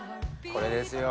これですよ！